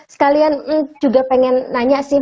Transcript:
sekalian juga pengen nanya sih